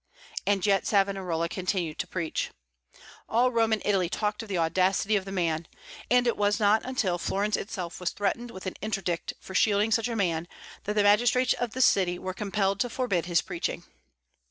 And yet Savonarola continued to preach. All Rome and Italy talked of the audacity of the man. And it was not until Florence itself was threatened with an interdict for shielding such a man, that the magistrates of the city were compelled to forbid his preaching.